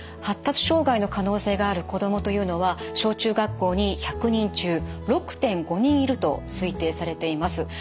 発達障害の可能性がある子どもというのは小中学校に１００人中６．５人いると推定されています。